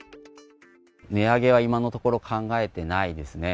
値上げは今のところ考えてないですね。